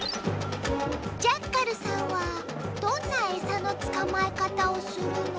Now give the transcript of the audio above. ジャッカルさんはどんなえさのつかまえかたをするの？